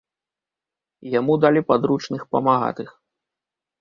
Яму далі падручных памагатых.